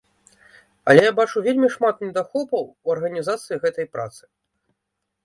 Але я бачу вельмі шмат недахопаў у арганізацыі гэтай працы.